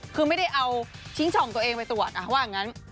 คือไม่ได้เอาชิงช่องตัวเองไปตรวจว่างั้น